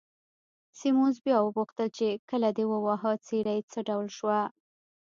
سیمونز بیا وپوښتل چې، کله دې وواهه، څېره یې څه ډول شوه؟